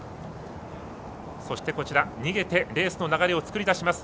そして、逃げてレースの流れを作りだします。